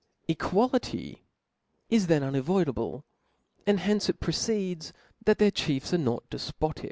Equality is then unavoidable 5 and from hence it proceeds, that tbcir chiefs are not defpotic.